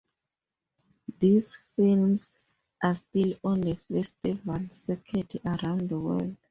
These films are still on the festival circuit around the world.